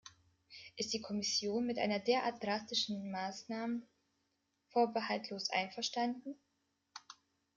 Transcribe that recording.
Ist die Kommission mit einer derart drastischen Maßnahmen vorbehaltlos einverstanden?